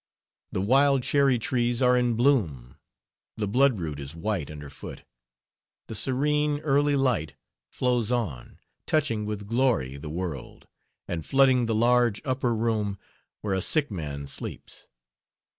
The wild cherry trees are in bloom, The bloodroot is white underfoot, The serene early light flows on, Touching with glory the world, And flooding the large upper room Where a sick man sleeps.